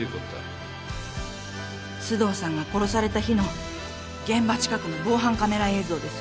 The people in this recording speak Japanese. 須藤さんが殺された日の現場近くの防犯カメラ映像です。